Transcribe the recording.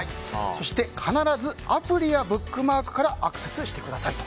そして必ずアプリやブックマークからアクセスしてくださいと。